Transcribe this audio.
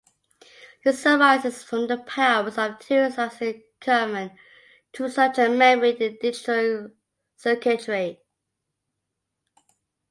This arises from the powers-of-two sizing common to such memory in digital circuitry.